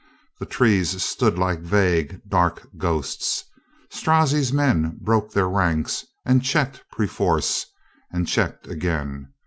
The trees stood like vague, dark ghosts. Strozzi's men broke their ranks and checked perforce and checked again.